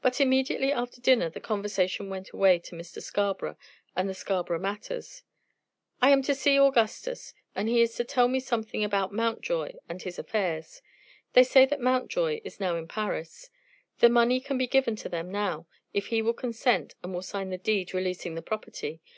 But immediately after dinner the conversation went away to Mr. Scarborough and the Scarborough matters. "I am to see Augustus, and he is to tell me something about Mountjoy and his affairs. They say that Mountjoy is now in Paris. The money can be given to them now, if he will consent and will sign the deed releasing the property.